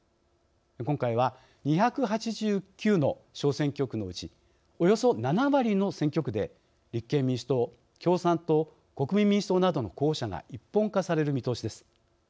今回は、２８９の小選挙区のうちおよそ７割の選挙区で立憲民主党、共産党国民民主党などの候補者が一本化される見通しです。